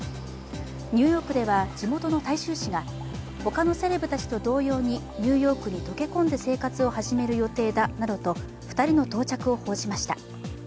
ニューヨークでは地元の大衆紙が、他のセレブたちと同様にニューヨークに溶け込んで生活を始める予定だなどと２人の到着を報じました。